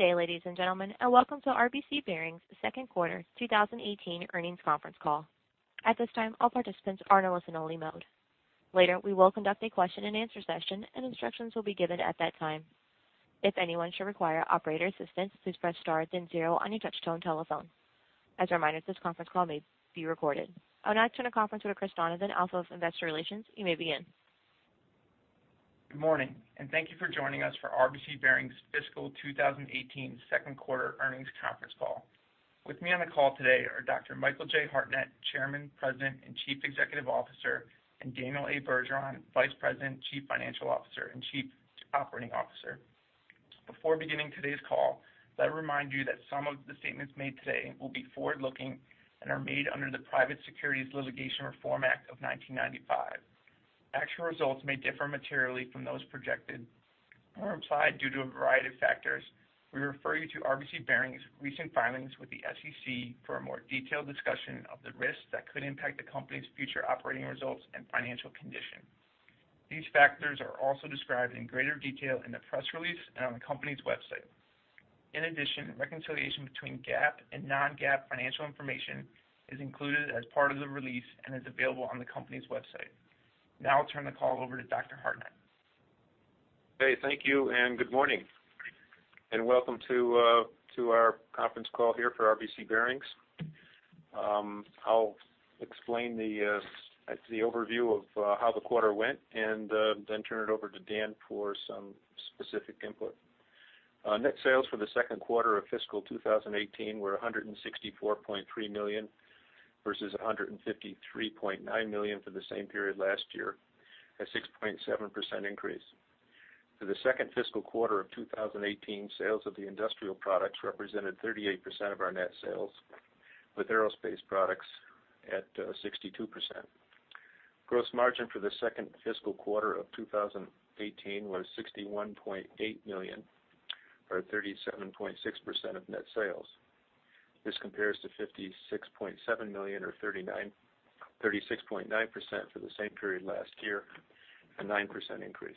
Good day, ladies and gentlemen, and welcome to RBC Bearings' second quarter 2018 earnings conference call. At this time, all participants are in a listen-only mode. Later, we will conduct a question-and-answer session, and instructions will be given at that time. If anyone should require operator assistance, please press star then zero on your touchtone telephone. As a reminder, this conference call may be recorded. I'll now turn the conference over to Chris Donovan, Office of Investor Relations. You may begin. Good morning, and thank you for joining us for RBC Bearings' fiscal 2018 second quarter earnings conference call. With me on the call today are Dr. Michael J. Hartnett, Chairman, President, and Chief Executive Officer, and Daniel A. Bergeron, Vice President, Chief Financial Officer, and Chief Operating Officer. Before beginning today's call, let me remind you that some of the statements made today will be forward-looking and are made under the Private Securities Litigation Reform Act of 1995. Actual results may differ materially from those projected or implied due to a variety of factors. We refer you to RBC Bearings' recent filings with the SEC for a more detailed discussion of the risks that could impact the company's future operating results and financial condition. These factors are also described in greater detail in the press release and on the company's website. In addition, reconciliation between GAAP and non-GAAP financial information is included as part of the release and is available on the company's website. Now I'll turn the call over to Dr. Hartnett. Hey, thank you, and good morning, and welcome to our conference call here for RBC Bearings. I'll explain the overview of how the quarter went, and then turn it over to Dan for some specific input. Net sales for the second quarter of fiscal 2018 were $164.3 million versus $153.9 million for the same period last year, a 6.7% increase. For the second fiscal quarter of 2018, sales of the industrial products represented 38% of our net sales, with aerospace products at 62%. Gross margin for the second fiscal quarter of 2018 was $61.8 million, or 37.6% of net sales. This compares to $56.7 million, or 36.9% for the same period last year, a 9% increase.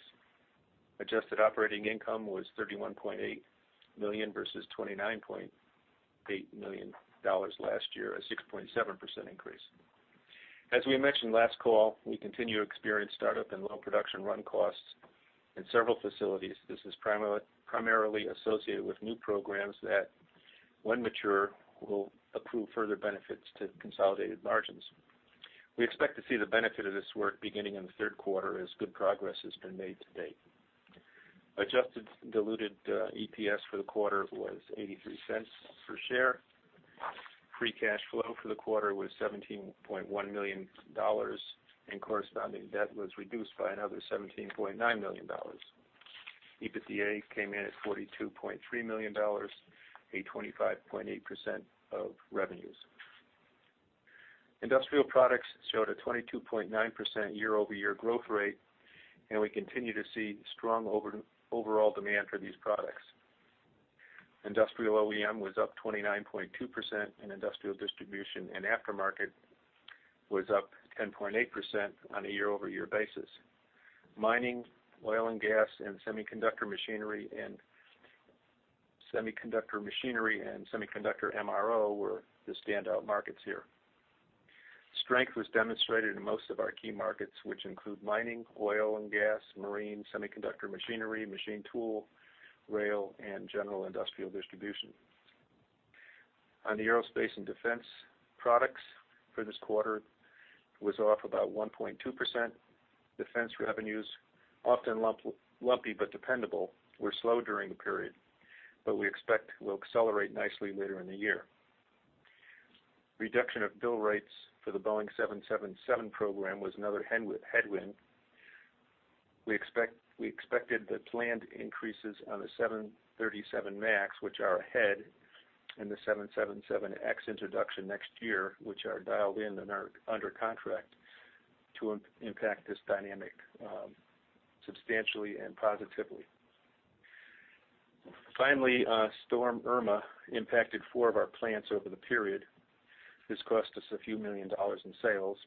Adjusted operating income was $31.8 million versus $29.8 million last year, a 6.7% increase. As we mentioned last call, we continue to experience startup and low production run costs in several facilities. This is primarily associated with new programs that, when mature, will accrue further benefits to consolidated margins. We expect to see the benefit of this work beginning in the third quarter as good progress has been made to date. Adjusted diluted EPS for the quarter was $0.83 per share. Free cash flow for the quarter was $17.1 million, and corresponding debt was reduced by another $17.9 million. EBITDA came in at $42.3 million, a 25.8% of revenues. Industrial products showed a 22.9% year-over-year growth rate, and we continue to see strong overall demand for these products. Industrial OEM was up 29.2%, and industrial distribution and aftermarket was up 10.8% on a year-over-year basis. Mining, oil and gas, and semiconductor machinery and semiconductor MRO were the standout markets here. Strength was demonstrated in most of our key markets, which include mining, oil and gas, marine, semiconductor machinery, machine tool, rail, and general industrial distribution. On the aerospace and defense products for this quarter was off about 1.2%. Defense revenues, often lumpy but dependable, were slow during the period, but we expect will accelerate nicely later in the year. Reduction of build rates for the Boeing 777 program was another headwind. We expect - we expected the planned increases on the 737 MAX, which are ahead, and the 777X introduction next year, which are dialed in and are under contract, to impact this dynamic substantially and positively. Finally, Storm Irma impacted four of our plants over the period. This cost us a few million dollars in sales,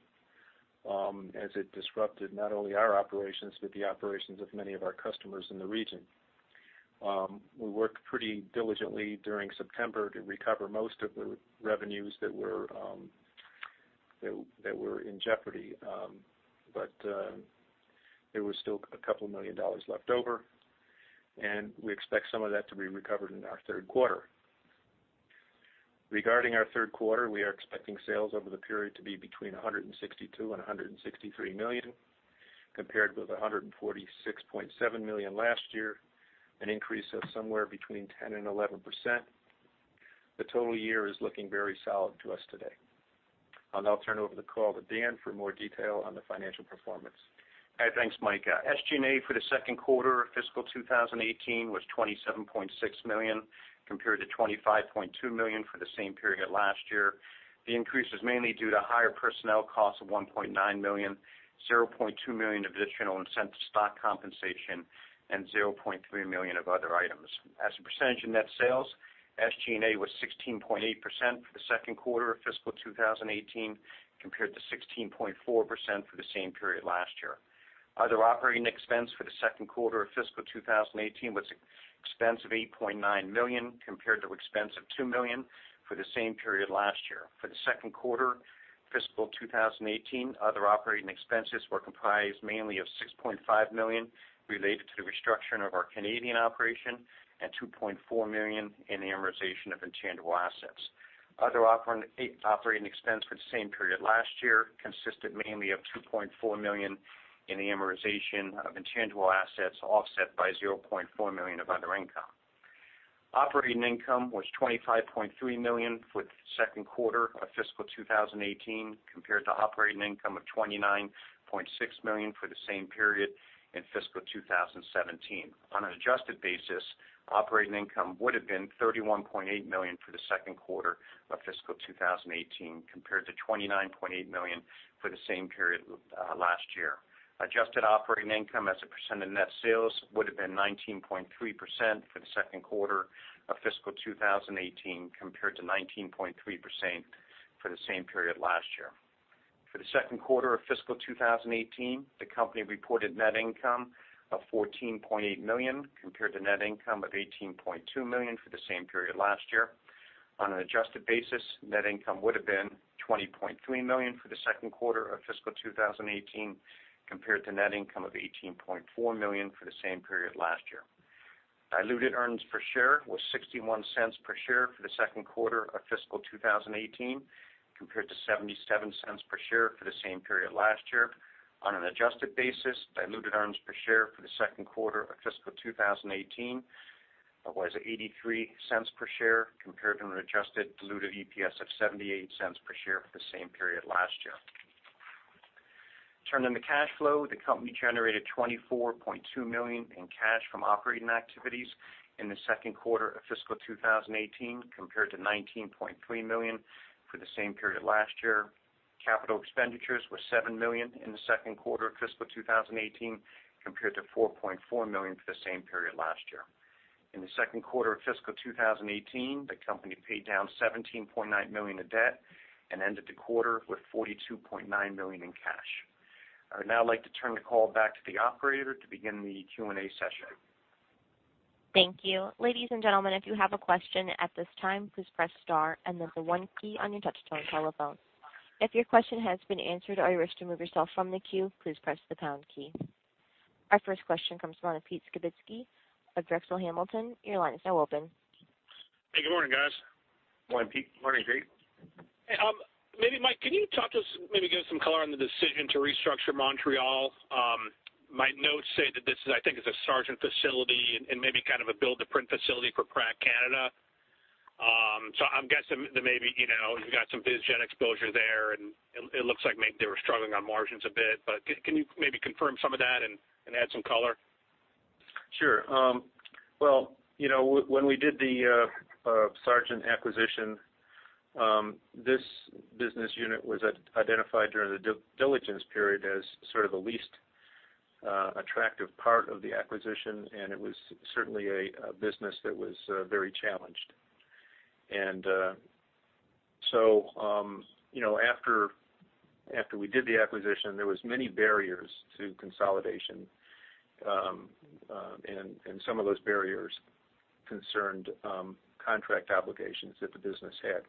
as it disrupted not only our operations, but the operations of many of our customers in the region. We worked pretty diligently during September to recover most of the revenues that were that were in jeopardy, but there was still a couple of million dollars left over, and we expect some of that to be recovered in our third quarter. Regarding our third quarter, we are expecting sales over the period to be between $162 million and $163 million, compared with $146.7 million last year, an increase of somewhere between 10% and 11%. The total year is looking very solid to us today. I'll now turn over the call to Dan for more detail on the financial performance. Hi, thanks, Mike. SG&A for the second quarter of fiscal 2018 was $27.6 million, compared to $25.2 million for the same period last year. The increase was mainly due to higher personnel costs of $1.9 million, $0.2 million of additional incentive stock compensation, and $0.3 million of other items. As a percentage of net sales. SG&A was 16.8% for the second quarter of fiscal 2018, compared to 16.4% for the same period last year. Other operating expense for the second quarter of fiscal 2018 was expense of $8.9 million, compared to expense of $2 million for the same year last year. For the second quarter, fiscal 2018, other operating expenses were comprised mainly of $6.5 million related to the restructuring of our Canadian operation and $2.4 million in the amortization of intangible assets. Other operating expense for the same period last year consisted mainly of $2.4 million in the amortization of intangible assets, offset by $0.4 million of other income. Operating income was $25.3 million for the second quarter of fiscal 2018, compared to operating income of $29.6 million for the same period in fiscal 2017. On an adjusted basis, operating income would have been $31.8 million for the second quarter of fiscal 2018, compared to $29.8 million for the same period last year. Adjusted operating income as a % of net sales would have been 19.3% for the second quarter of fiscal 2018, compared to 19.3% for the same period last year. For the second quarter of fiscal 2018, the company reported net income of $14.8 million, compared to net income of $18.2 million for the same period last year. On an adjusted basis, net income would have been $20.3 million for the second quarter of fiscal 2018, compared to net income of $18.4 million for the same period last year. Diluted earnings per share was $0.61 per share for the second quarter of fiscal 2018, compared to $0.77 per share for the same period last year. On an adjusted basis, diluted earnings per share for the second quarter of fiscal 2018 was $0.83 per share, compared to an adjusted diluted EPS of $0.78 per share for the same period last year. Turning to cash flow, the company generated $24.2 million in cash from operating activities in the second quarter of fiscal 2018, compared to $19.3 million for the same period last year. Capital expenditures were $7 million in the second quarter of fiscal 2018, compared to $4.4 million for the same period last year. In the second quarter of fiscal 2018, the company paid down $17.9 million of debt and ended the quarter with $42.9 million in cash. I would now like to turn the call back to the operator to begin the Q&A session. Thank you. Ladies and gentlemen, if you have a question at this time, please press star and then the one key on your touchtone telephone. If your question has been answered or you wish to remove yourself from the queue, please press the pound key. Our first question comes from Peter Skibitski of Drexel Hamilton. Your line is now open. Hey, good morning, guys. Good morning, Peter. Morning, Peter. Hey, maybe Mike, can you talk to us, maybe give us some color on the decision to restructure Montreal? My notes say that this is, I think, a Sargent facility and maybe kind of a build-to-print facility for Pratt Canada. So I'm guessing that maybe, you know, you've got some business unit exposure there, and it looks like maybe they were struggling on margins a bit. But can you maybe confirm some of that and add some color? Sure. Well, you know, when we did the Sargent acquisition, this business unit was identified during the due diligence period as sort of the least attractive part of the acquisition, and it was certainly a business that was very challenged. And so, you know, after we did the acquisition, there was many barriers to consolidation, and some of those barriers concerned contract obligations that the business had.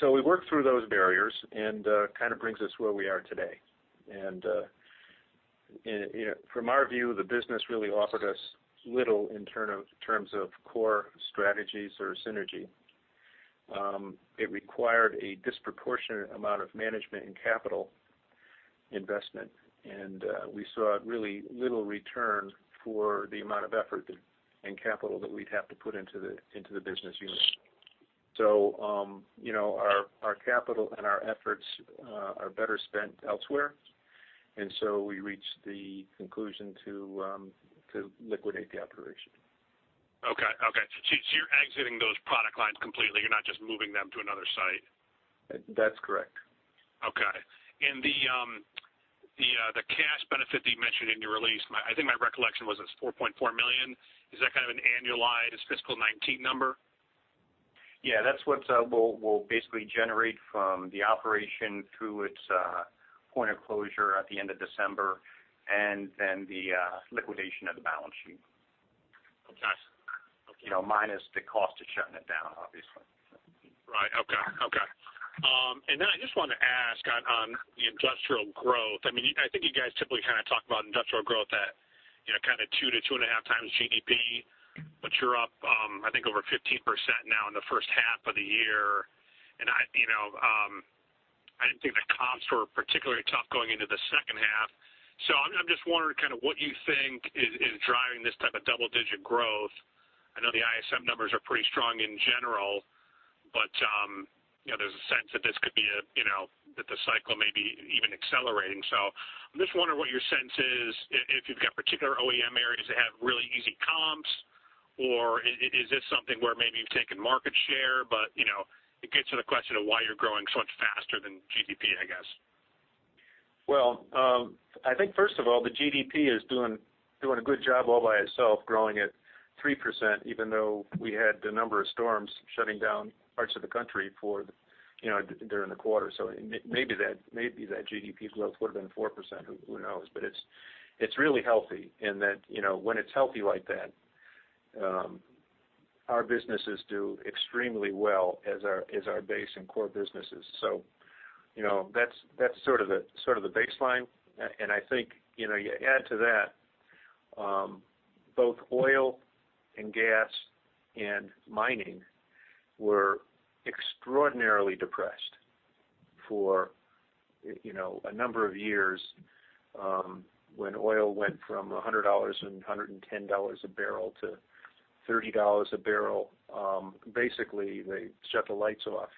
So we worked through those barriers, and kind of brings us where we are today. And you know, from our view, the business really offered us little in terms of core strategies or synergy. It required a disproportionate amount of management and capital investment, and we saw really little return for the amount of effort and capital that we'd have to put into the business unit. So, you know, our capital and our efforts are better spent elsewhere, and so we reached the conclusion to liquidate the operation. Okay. So you're exiting those product lines completely, you're not just moving them to another site? That's correct. Okay. And the cash benefit that you mentioned in your release, my, I think my recollection was it's $4.4 million. Is that kind of an annualized fiscal 2019 number? Yeah, that's what we'll basically generate from the operation through its point of closure at the end of December, and then the liquidation of the balance sheet. Okay. You know, minus the cost of shutting it down, obviously. Right. Okay, okay. And then I just wanted to ask on, on the industrial growth. I mean, I think you guys typically kind of talk about industrial growth at, you know, kind of 2-2.5x GDP, but you're up, I think, over 15% now in the first half of the year. And I, you know, I didn't think the comps were particularly tough going into the second half, so I'm, I'm just wondering kind of what you think is, is driving this type of double-digit growth. I know the ISM numbers are pretty strong in general, but, you know, there's a sense that this could be a, you know, that the cycle may be even accelerating. So I'm just wondering what your sense is, if you've got particular OEM areas that have really easy comps, or is this something where maybe you've taken market share? But, you know, it gets to the question of why you're growing so much faster than GDP, I guess. Well, I think first of all, the GDP is doing a good job all by itself, growing at 3%, even though we had a number of storms shutting down parts of the country for, you know, during the quarter. So maybe that, maybe that GDP growth would have been 4%, who knows? But it's really healthy, and that, you know, when it's healthy like that, our businesses do extremely well as our, as our base and core businesses. So, you know, that's, that's sort of the, sort of the baseline. And I think, you know, you add to that, both oil and gas and mining were extraordinarily depressed for, you know, a number of years. When oil went from $100 and $110 a barrel to $30 a barrel, basically, they shut the lights off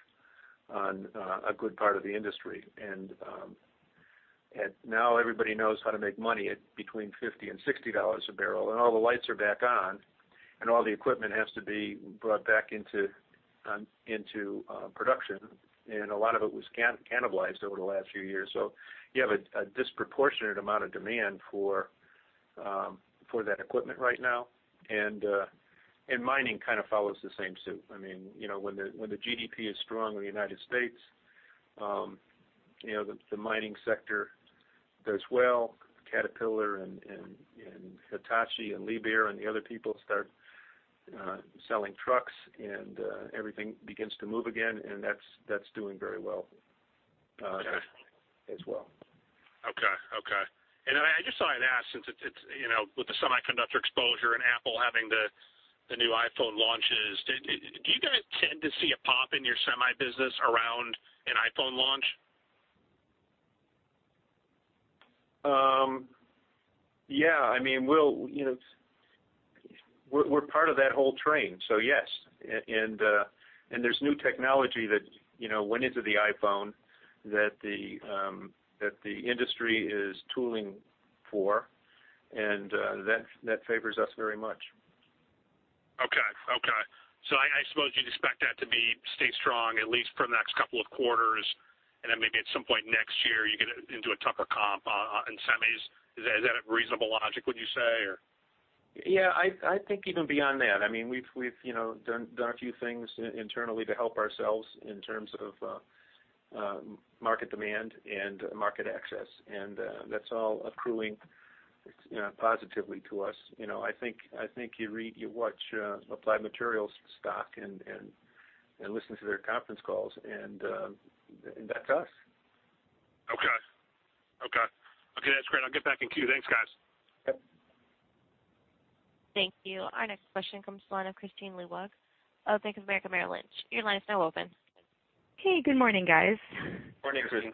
on a good part of the industry. And now everybody knows how to make money at between $50 and $60 a barrel, and all the lights are back on, and all the equipment has to be brought back into production, and a lot of it was cannibalized over the last few years. So you have a disproportionate amount of demand for that equipment right now. And mining kind of follows the same suit. I mean, you know, when the GDP is strong in the United States, you know, the mining sector does well. Caterpillar and Hitachi and Liebherr and the other people start selling trucks, and everything begins to move again, and that's doing very well, as well. Okay, okay. And I just thought I'd ask, since it's, you know, with the semiconductor exposure and Apple having the new iPhone launches, do you guys tend to see a pop in your semi business around an iPhone launch? Yeah, I mean, we'll, you know, we're part of that whole train, so yes. And there's new technology that, you know, went into the iPhone that the industry is tooling for, and that favors us very much. Okay, okay. So I, I suppose you'd expect that to be stay strong at least for the next couple of quarters, and then maybe at some point next year, you get into a tougher comp on semis. Is that a reasonable logic, would you say, or? Yeah, I think even beyond that, I mean, we've done a few things internally to help ourselves in terms of market demand and market access, and that's all accruing, you know, positively to us. You know, I think you read, you watch Applied Materials stock and listen to their conference calls, and that's us. Okay. Okay. Okay, that's great. I'll get back in queue. Thanks, guys. Yep. Thank you. Our next question comes from the line of Kristine Liwag of Bank of America Merrill Lynch. Your line is now open. Hey, good morning, guys. Morning, Kristine.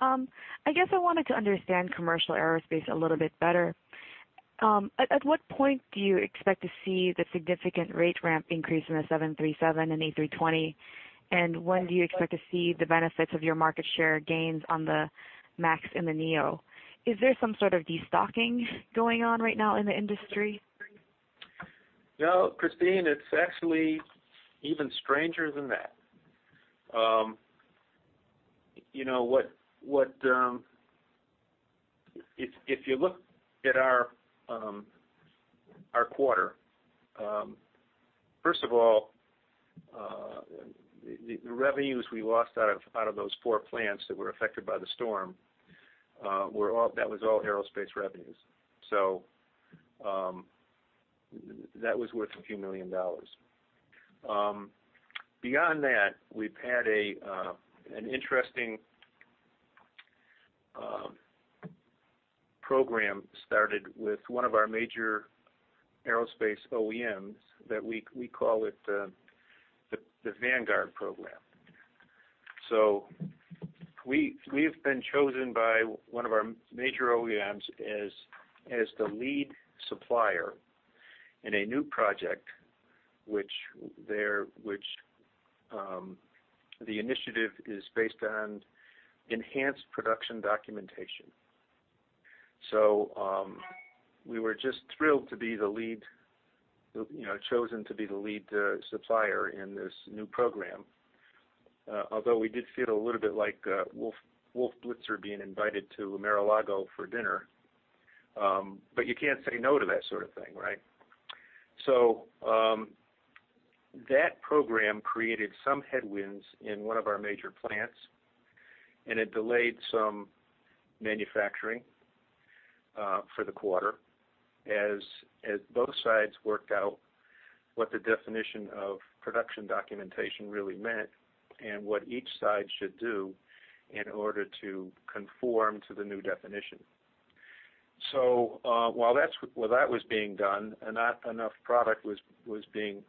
I guess I wanted to understand commercial aerospace a little bit better. At what point do you expect to see the significant rate ramp increase in the 737 and A320? And when do you expect to see the benefits of your market share gains on the MAX and the neo? Is there some sort of destocking going on right now in the industry? No, Kristine, it's actually even stranger than that. You know, if you look at our quarter, first of all, the revenues we lost out of those four plants that were affected by the storm were all. That was all aerospace revenues. So, that was worth a few million dollars. Beyond that, we've had an interesting program started with one of our major aerospace OEMs that we call it the Vanguard program. So we've been chosen by one of our major OEMs as the lead supplier in a new project, which the initiative is based on enhanced production documentation. So, we were just thrilled to be the lead, you know, chosen to be the lead supplier in this new program. Although we did feel a little bit like Wolf Blitzer being invited to Mar-a-Lago for dinner, but you can't say no to that sort of thing, right? So, that program created some headwinds in one of our major plants, and it delayed some manufacturing for the quarter, as both sides worked out what the definition of production documentation really meant and what each side should do in order to conform to the new definition. So, while that was being done, not enough product was being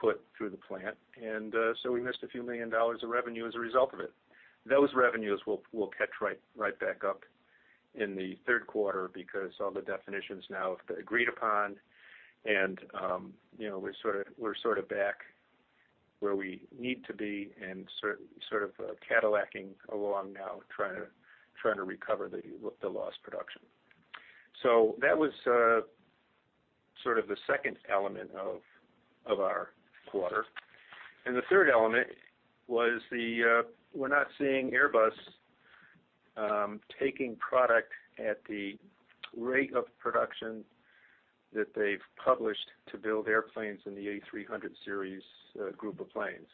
put through the plant, and so we missed a few million dollars of revenue as a result of it. Those revenues will catch right back up in the third quarter because all the definitions now agreed upon and, you know, we're sort of back where we need to be and sort of cadillacking along now, trying to recover the lost production. So that was sort of the second element of our quarter. And the third element was, we're not seeing Airbus taking product at the rate of production that they've published to build airplanes in the A300 series, group of planes.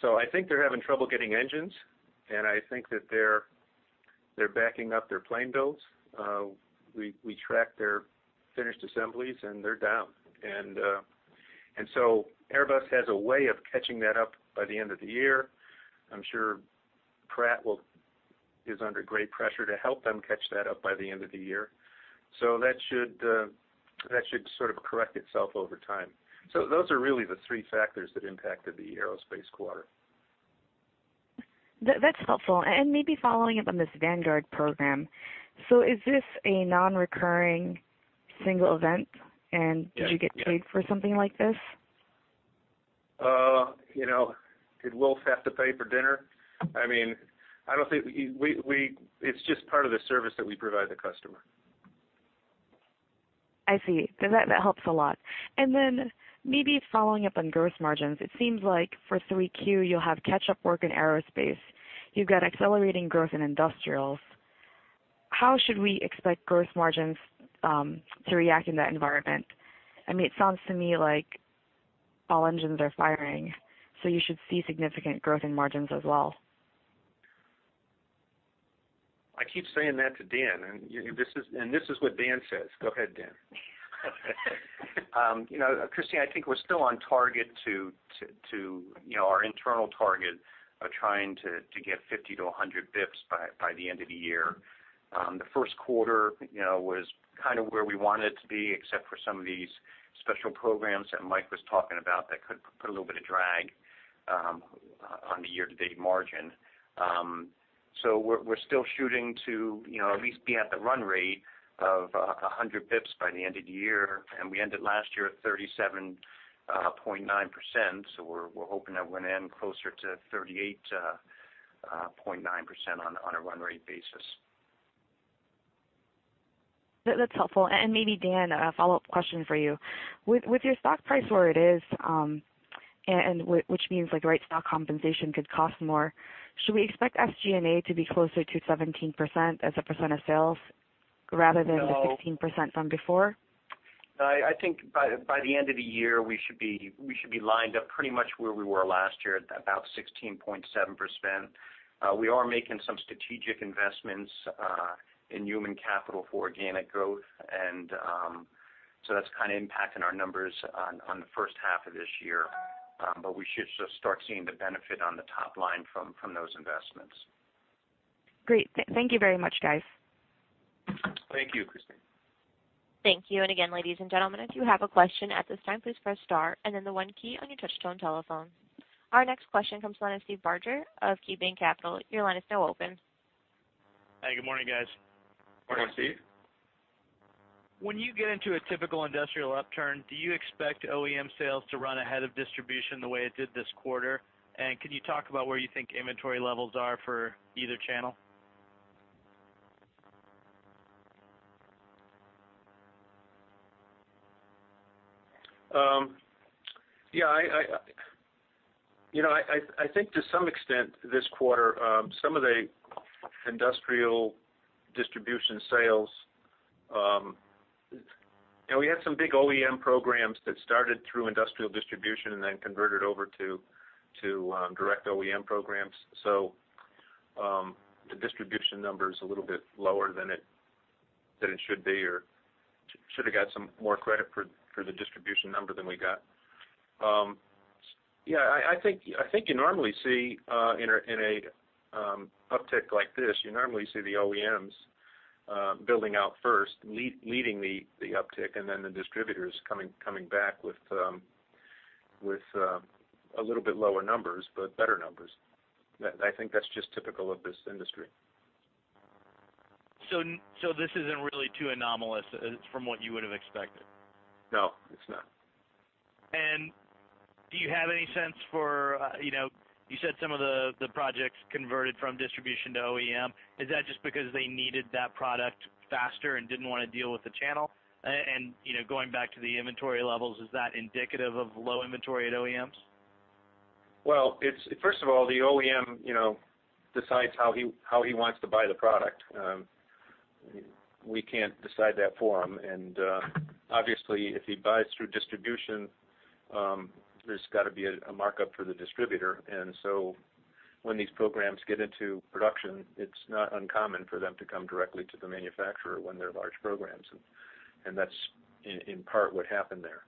So I think they're having trouble getting engines, and I think that they're backing up their plane builds. We track their finished assemblies, and they're down. And so Airbus has a way of catching that up by the end of the year. I'm sure Pratt is under great pressure to help them catch that up by the end of the year. So that should sort of correct itself over time. So those are really the three factors that impacted the aerospace quarter. That's helpful. And maybe following up on this Vanguard program. So is this a nonrecurring single event? Yeah, yeah. Did you get paid for something like this? You know, did Wolf have to pay for dinner? I mean, I don't think it's just part of the service that we provide the customer. I see. That helps a lot. And then maybe following up on gross margins, it seems like for Q3, you'll have catch-up work in aerospace. You've got accelerating growth in industrials. How should we expect gross margins to react in that environment? I mean, it sounds to me like all engines are firing, so you should see significant growth in margins as well. I keep saying that to Dan, and this is what Dan says. Go ahead, Dan. You know, Kristine, I think we're still on target to our internal target of trying to get 50-100 basis points by the end of the year. The first quarter, you know, was kind of where we wanted it to be, except for some of these special programs that Mike was talking about that could put a little bit of drag on the year-to-date margin. So we're still shooting to, you know, at least be at the run rate of 100 basis points by the end of the year, and we ended last year at 37.9%, so we're hoping that went in closer to 38.9% on a run rate basis. That's helpful. And maybe, Dan, a follow-up question for you. With your stock price where it is, and which means, like, the right stock compensation could cost more, should we expect SG&A to be closer to 17% as a percent of sales rather than. No. The 16% from before? I think by the end of the year, we should be lined up pretty much where we were last year, at about 16.7%. We are making some strategic investments in human capital for organic growth, and so that's kind of impacting our numbers on the first half of this year. But we should just start seeing the benefit on the top line from those investments. Great. Thank you very much, guys. Thank you, Kristine. Thank you. And again, ladies and gentlemen, if you have a question at this time, please press Star and then the One key on your touchtone telephone. Our next question comes from Steve Barger of KeyBanc Capital. Your line is now open. Hi, good morning, guys. Morning, Steve. When you get into a typical industrial upturn, do you expect OEM sales to run ahead of distribution the way it did this quarter? Can you talk about where you think inventory levels are for either channel? Yeah, you know, I think to some extent this quarter, some of the industrial distribution sales, you know, we had some big OEM programs that started through industrial distribution and then converted over to direct OEM programs. So, the distribution number is a little bit lower than it should be, or should have got some more credit for the distribution number than we got. Yeah, I think you normally see in an uptick like this, you normally see the OEMs building out first, leading the uptick, and then the distributors coming back with a little bit lower numbers, but better numbers. I think that's just typical of this industry. This isn't really too anomalous from what you would have expected? No, it's not. Do you have any sense for, you know, you said some of the projects converted from distribution to OEM? Is that just because they needed that product faster and didn't want to deal with the channel? And you know, going back to the inventory levels, is that indicative of low inventory at OEMs? Well, it's first of all, the OEM, you know, decides how he wants to buy the product. We can't decide that for him. And obviously, if he buys through distribution, there's got to be a markup for the distributor. And so when these programs get into production, it's not uncommon for them to come directly to the manufacturer when they're large programs. And that's in part what happened there.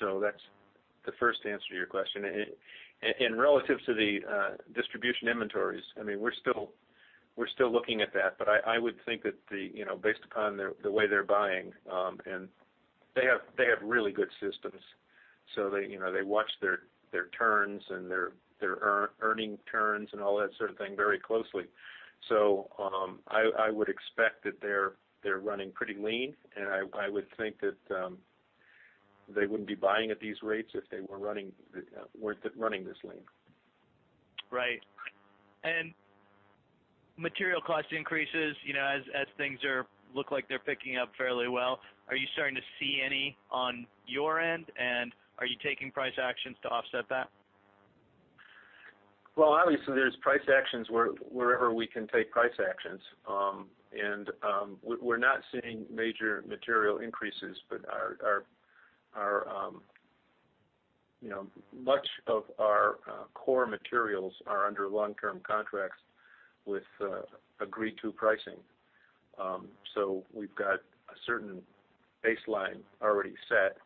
So that's the first answer to your question. And relative to the distribution inventories, I mean, we're still looking at that, but I would think that, you know, based upon the way they're buying, and they have really good systems, so they, you know, they watch their turns and their inventory turns and all that sort of thing very closely. So, I would expect that they're running pretty lean, and I would think that they wouldn't be buying at these rates if they weren't running this lean. Right. Material cost increases, you know, as things look like they're picking up fairly well. Are you starting to see any on your end? And are you taking price actions to offset that? Well, obviously, there's price actions wherever we can take price actions. And, we're not seeing major material increases, but our, you know, much of our core materials are under long-term contracts with agreed-to pricing. So we've got a certain baseline already set.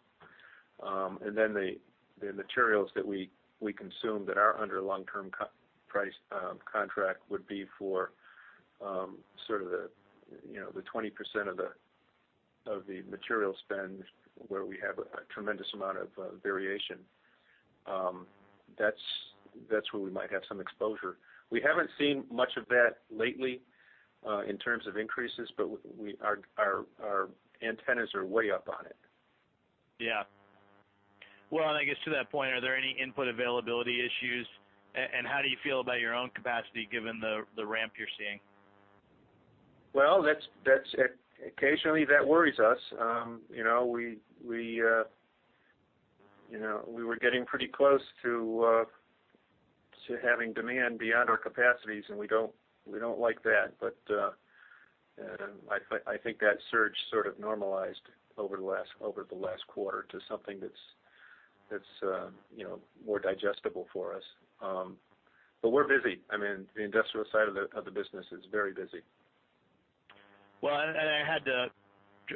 And then the materials that we consume that are under long-term contract price would be for sort of the, you know, the 20% of the material spend, where we have a tremendous amount of variation. That's where we might have some exposure. We haven't seen much of that lately in terms of increases, but our antennas are way up on it. Yeah. Well, and I guess to that point, are there any input availability issues? And how do you feel about your own capacity, given the ramp you're seeing? Well, that's occasionally that worries us. You know, we were getting pretty close to having demand beyond our capacities, and we don't like that. But and I think that surge sort of normalized over the last quarter to something that's you know, more digestible for us. But we're busy. I mean, the industrial side of the business is very busy. Well, and I had to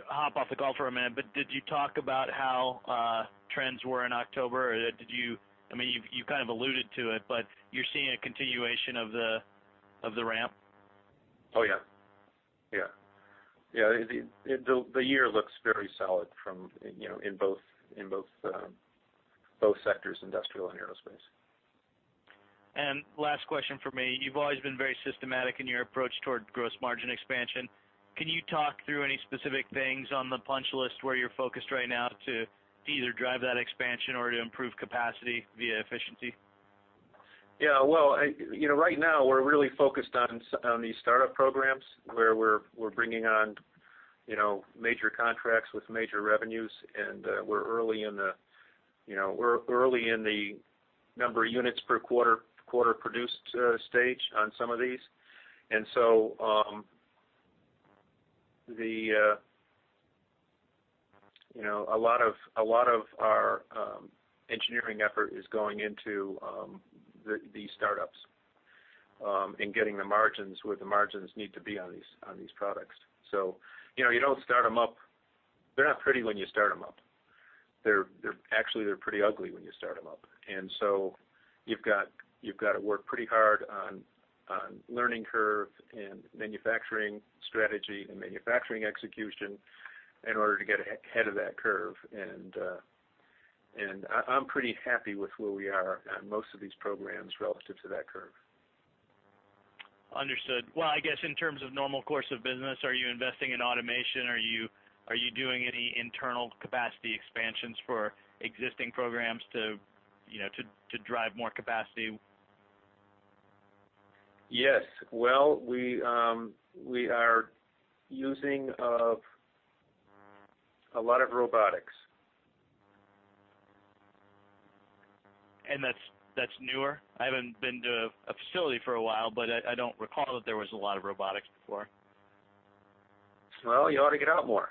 hop off the call for a minute, but did you talk about how trends were in October? Or did you, I mean, you kind of alluded to it, but you're seeing a continuation of the ramp? Oh, yeah. Yeah. Yeah, the year looks very solid from, you know, in both sectors, industrial and aerospace. Last question from me. You've always been very systematic in your approach toward gross margin expansion. Can you talk through any specific things on the punch list where you're focused right now to either drive that expansion or to improve capacity via efficiency? Yeah, well, you know, right now, we're really focused on these startup programs, where we're bringing on, you know, major contracts with major revenues, and we're early in the, you know, we're early in the number of units per quarter produced stage on some of these. And so, you know, a lot of our engineering effort is going into these startups and getting the margins where the margins need to be on these products. So, you know, you don't start them up. They're not pretty when you start them up. They're actually pretty ugly when you start them up. And so you've got to work pretty hard on learning curve and manufacturing strategy and manufacturing execution in order to get ahead of that curve. I'm pretty happy with where we are on most of these programs relative to that curve. Understood. Well, I guess in terms of normal course of business, are you investing in automation? Are you doing any internal capacity expansions for existing programs to, you know, drive more capacity? Yes. Well, we are using a lot of robotics. That's, that's newer? I haven't been to a facility for a while, but I, I don't recall that there was a lot of robotics before. Well, you ought to get out more.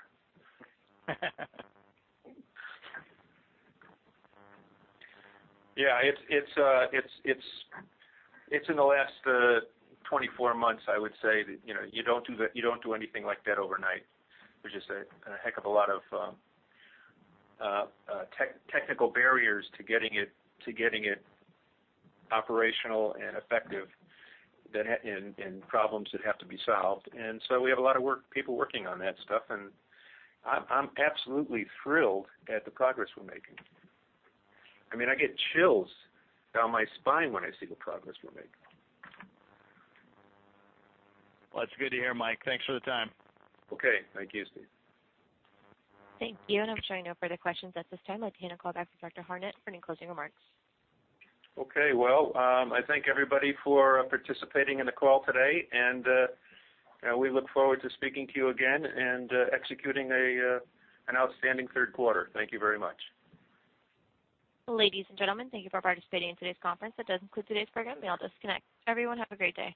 Yeah, it's in the last 24 months, I would say, that, you know, you don't do anything like that overnight. There's just a heck of a lot of technical barriers to getting it operational and effective, and problems that have to be solved. And so we have a lot of work, people working on that stuff, and I'm absolutely thrilled at the progress we're making. I mean, I get chills down my spine when I see the progress we're making. Well, it's good to hear, Mike. Thanks for the time. Okay. Thank you, Steve. Thank you, and I'm showing no further questions at this time. I'd like to hand the call back to Dr. Hartnett for any closing remarks. Okay. Well, I thank everybody for participating in the call today, and we look forward to speaking to you again and executing an outstanding third quarter. Thank you very much. Ladies and gentlemen, thank you for participating in today's conference. That does conclude today's program. We all disconnect. Everyone, have a great day.